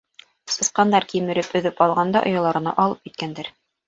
Сысҡандар кимереп өҙөп алған да ояларына алып киткәндәр...